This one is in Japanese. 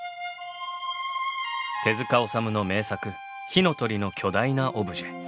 手治虫の名作「火の鳥」の巨大なオブジェ。